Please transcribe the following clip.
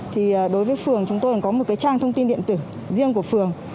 thì đối với phường chúng tôi có một trang thông tin điện tử riêng của phường